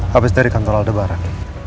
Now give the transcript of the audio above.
habis dari kantor aldebaran